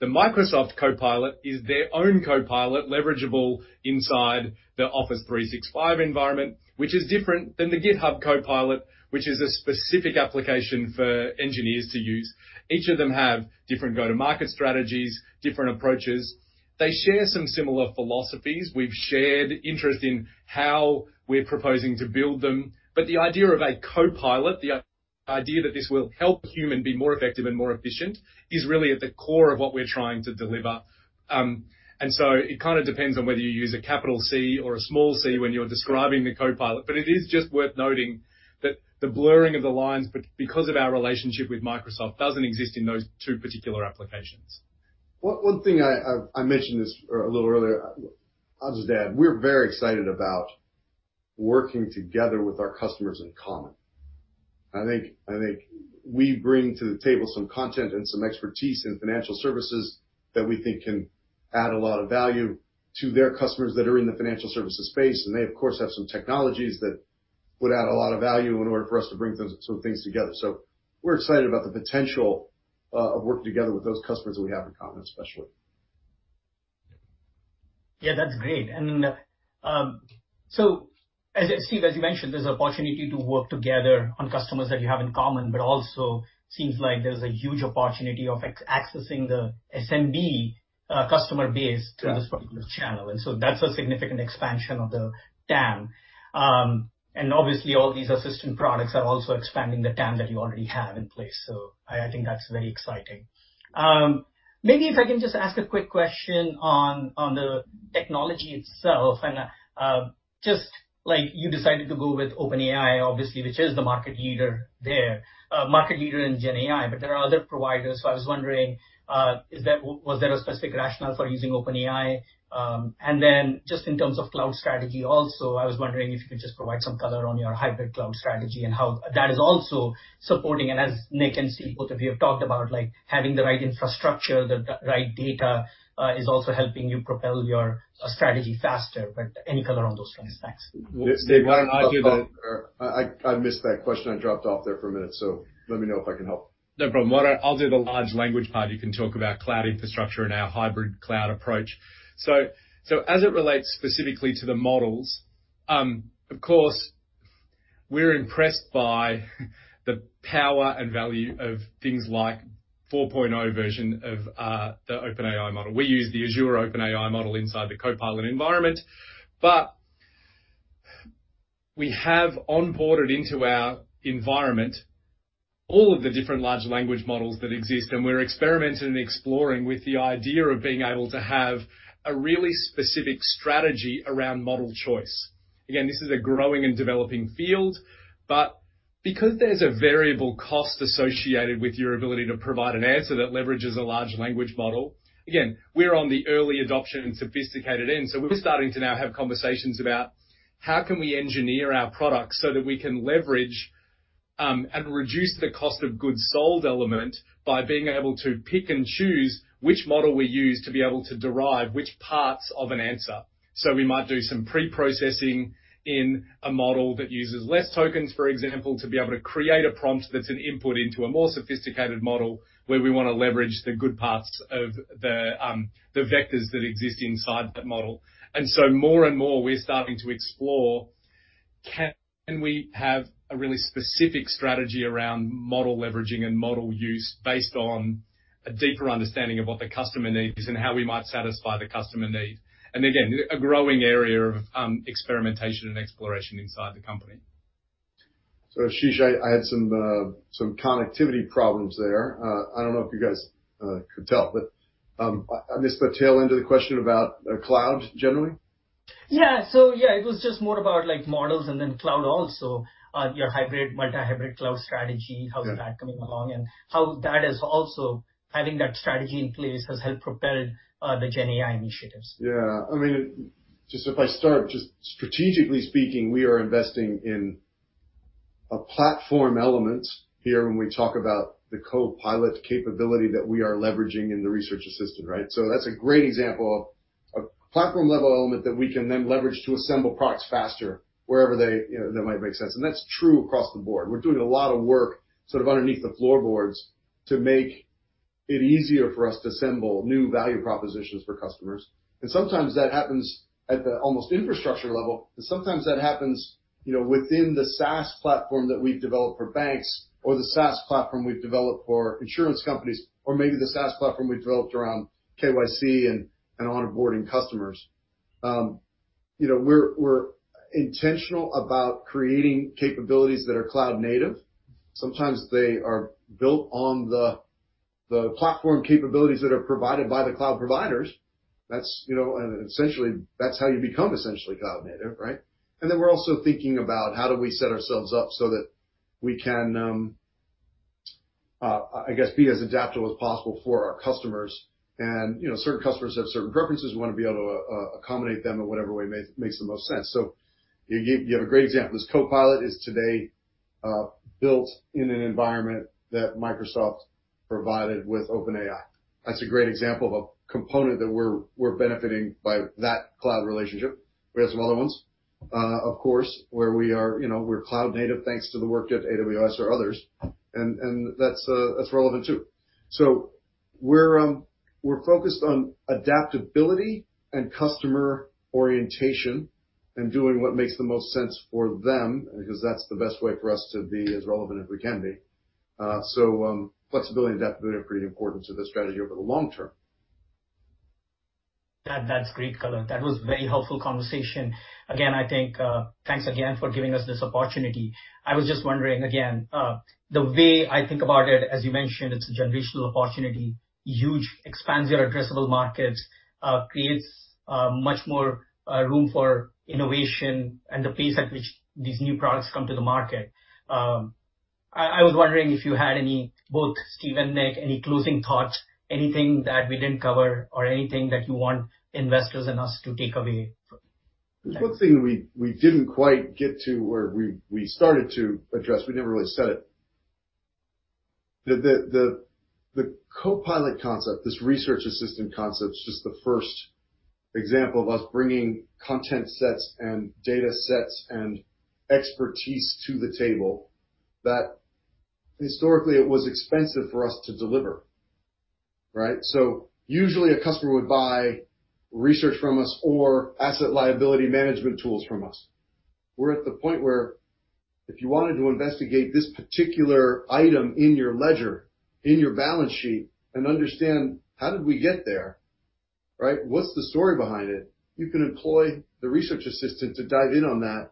The Microsoft Copilot is their own Copilot, leverageable inside the Office 365 environment, which is different than the GitHub Copilot, which is a specific application for engineers to use. Each of them have different go-to-market strategies, different approaches. They share some similar philosophies. We've shared interest in how we're proposing to build them. The idea of a Copilot, the idea that this will help a human be more effective and more efficient, is really at the core of what we're trying to deliver. It kinda depends on whether you use a capital C or a small C when you're describing the Copilot. It is just worth noting that the blurring of the lines because of our relationship with Microsoft, doesn't exist in those two particular applications. One, one thing I, I, I mentioned this, a little earlier, I'll just add, we're very excited about working together with our customers in common. I think, I think we bring to the table some content and some expertise in financial services that we think can add a lot of value to their customers that are in the financial services space, and they, of course, have some technologies that would add a lot of value in order for us to bring those some things together. We're excited about the potential, of working together with those customers that we have in common, especially. Yeah, that's great. As Steve, as you mentioned, there's an opportunity to work together on customers that you have in common, but also seems like there's a huge opportunity of accessing the SMB customer base... Yeah... through this particular channel, and so that's a significant expansion of the TAM. Obviously, all these assistant products are also expanding the TAM that you already have in place, so I, I think that's very exciting. Maybe if I can just ask a quick question on, on the technology itself, and just like you decided to go with OpenAI, obviously, which is the market leader there, market leader in GenAI, but there are other providers. I was wondering, was there a specific rationale for using OpenAI? Then just in terms of cloud strategy also, I was wondering if you could just provide some color on your hybrid cloud strategy and how that is also supporting, and as Nick and Steve, both of you, have talked about, like, having the right infrastructure, the right data, is also helping you propel your strategy faster, but any color on those fronts? Thanks. Steve, I missed that question. I dropped off there for a minute. Let me know if I can help. No problem. What I... I'll do the large language part. You can talk about cloud infrastructure and our hybrid cloud approach. As it relates specifically to the models, of course, we're impressed by the power and value of things like 4.0 version of the OpenAI model. We use the Azure OpenAI model inside the Copilot environment, but we have onboarded into our environment all of the different large language models that exist, and we're experimenting and exploring with the idea of being able to have a really specific strategy around model choice. Again, this is a growing and developing field, but because there's a variable cost associated with your ability to provide an answer that leverages a large language model, again, we're on the early adoption and sophisticated end. We're starting to now have conversations about: How can we engineer our products so that we can leverage, and reduce the cost of goods sold element by being able to pick and choose which model we use to be able to derive which parts of an answer? We might do some pre-processing in a model that uses less tokens, for example, to be able to create a prompt that's an input into a more sophisticated model, where we wanna leverage the good parts of the, the vectors that exist inside that model. More and more, we're starting to explore: Can we have a really specific strategy around model leveraging and model use based on a deeper understanding of what the customer need is and how we might satisfy the customer need? Again, a growing area of experimentation and exploration inside the company. Ashish, I, I had some, some connectivity problems there. I don't know if you guys could tell, but, I, I missed the tail end of the question about cloud generally? Yeah. Yeah, it was just more about like, models and then cloud also, your hybrid, multi-hybrid cloud strategy- Yeah... how is that coming along, and how that is also, having that strategy in place, has helped propel, the GenAI initiatives. Yeah. I mean, just if I start, just strategically speaking, we are investing in a platform element here when we talk about the Moody's Copilot capability that we are leveraging in the Moody's Research Assistant, right? That's a great example of a platform-level element that we can then leverage to assemble products faster wherever they, you know, that might make sense, and that's true across the board. We're doing a lot of work sort of underneath the floorboards to make it easier for us to assemble new value propositions for customers. Sometimes that happens at the almost infrastructure level, and sometimes that happens, you know, within the SaaS platform that we've developed for banks or the SaaS platform we've developed for insurance companies or maybe the SaaS platform we've developed around KYC and, and onboarding customers. You know, we're, we're intentional about creating capabilities that are cloud native. Sometimes they are built on the, the platform capabilities that are provided by the cloud providers. That's, you know, and essentially, that's how you become essentially cloud native, right? Then we're also thinking about: How do we set ourselves up so that we can, I guess, be as adaptable as possible for our customers? You know, certain customers have certain preferences. We wanna be able to accommodate them in whatever way make-makes the most sense. You, you have a great example. This Copilot is today built in an environment that Microsoft provided with OpenAI. That's a great example of a component that we're, we're benefiting by that cloud relationship. We have some other ones? Of course, where we are, you know, we're cloud native, thanks to the work at AWS or others, and that's relevant, too. We're, we're focused on adaptability and customer orientation and doing what makes the most sense for them because that's the best way for us to be as relevant as we can be. Flexibility and adaptability are pretty important to this strategy over the long term. That, that's great color. That was very helpful conversation. Again, I think, thanks again for giving us this opportunity. I was just wondering, again, the way I think about it, as you mentioned, it's a generational opportunity, huge, expands your addressable markets, creates, much more, room for innovation and the pace at which these new products come to the market. I, I was wondering if you had any, both Steve and Nick, any closing thoughts, anything that we didn't cover or anything that you want investors and us to take away from? There's one thing we, we didn't quite get to, or we, we started to address, we never really said it. The, the, the, the Copilot concept, this Research Assistant concept is just the first example of us bringing content sets and data sets and expertise to the table, that historically it was expensive for us to deliver, right? Usually, a customer would buy research from us or asset liability management tools from us. We're at the point where if you wanted to investigate this particular item in your ledger, in your balance sheet and understand: how did we get there, right? What's the story behind it? You can employ the Research Assistant to dive in on that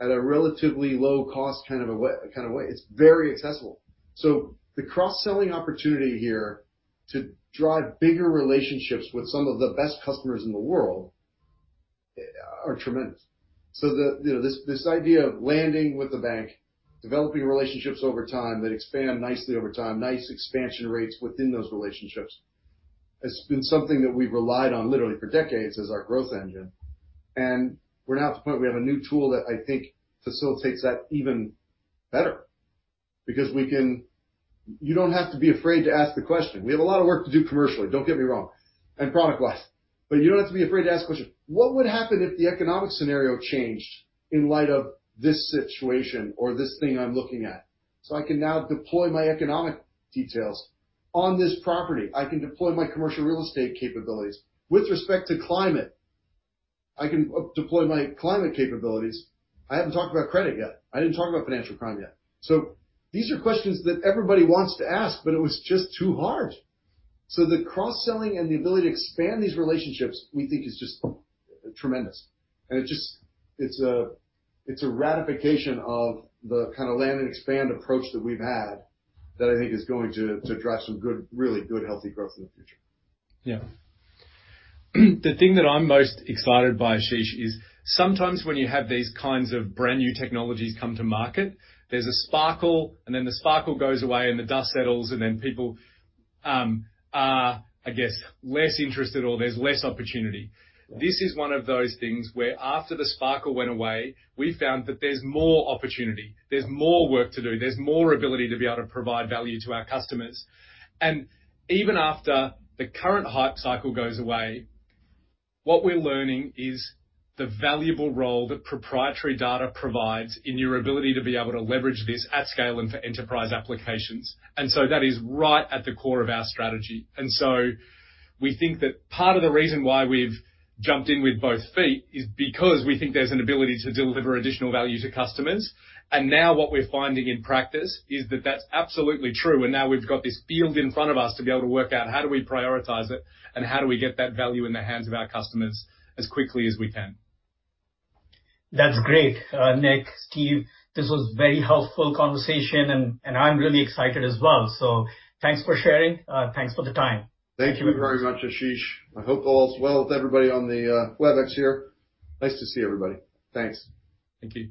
at a relatively low cost kind of a way, kind of way. It's very accessible. The cross-selling opportunity here to drive bigger relationships with some of the best customers in the world, are tremendous. You know, this, this idea of landing with a bank, developing relationships over time, that expand nicely over time, nice expansion rates within those relationships, has been something that we've relied on literally for decades as our growth engine. We're now at the point where we have a new tool that I think facilitates that even better because we can, you don't have to be afraid to ask the question. We have a lot of work to do commercially, don't get me wrong, and product-wise, but you don't have to be afraid to ask questions. What would happen if the economic scenario changed in light of this situation or this thing I'm looking at? I can now deploy my economic details on this property. I can deploy my commercial real estate capabilities. With respect to climate, I can deploy my climate capabilities. I haven't talked about credit yet. I didn't talk about financial crime yet. These are questions that everybody wants to ask, but it was just too hard. The cross-selling and the ability to expand these relationships, we think, is just tremendous. It just. It's a ratification of the kind of land and expand approach that we've had that I think is going to drive some good, really good, healthy growth in the future. Yeah. The thing that I'm most excited by, Ashish, is sometimes when you have these kinds of brand-new technologies come to market, there's a sparkle, and then the sparkle goes away, and the dust settles, and then people, are, I guess, less interested or there's less opportunity. This is one of those things where after the sparkle went away, we found that there's more opportunity, there's more work to do, there's more ability to be able to provide value to our customers. Even after the current hype cycle goes away, what we're learning is the valuable role that proprietary data provides in your ability to be able to leverage this at scale and for enterprise applications. That is right at the core of our strategy. We think that part of the reason why we've jumped in with both feet is because we think there's an ability to deliver additional value to customers. Now what we're finding in practice is that that's absolutely true, and now we've got this field in front of us to be able to work out how do we prioritize it, and how do we get that value in the hands of our customers as quickly as we can. That's great. Nick, Steve, this was very helpful conversation, and I'm really excited as well. Thanks for sharing. Thanks for the time. Thank you very much, Ashish. I hope all is well with everybody on the Webex here. Nice to see everybody. Thanks. Thank you.